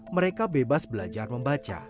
mereka bebas belajar membaca